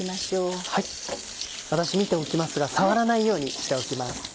私見ておきますが触らないようにしておきます。